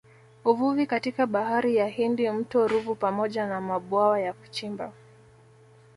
Uvuvi katika Bahari ya Hindi mto Ruvu pamoja na mabwawa ya kuchimba